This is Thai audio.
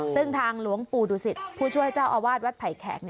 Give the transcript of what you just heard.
ซึ่งทางหลวงปู่ดุสิตผู้ช่วยเจ้าอาวาสวัดไผ่แขก